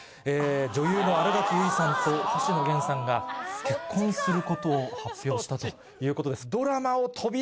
女優の新垣結衣さんと星野源さんが結婚することを発表したということです。